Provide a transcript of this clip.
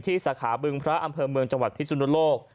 สาขาบึงพระอำเภอเมืองจังหวัดพิสุนโลก